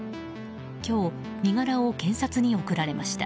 今日、身柄を検察に送られました。